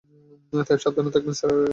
তাই সাবধানে থাকবেন, স্যার।